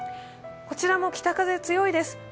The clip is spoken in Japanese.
こちらも北風が強いです。